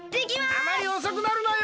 あまりおそくなるなよ！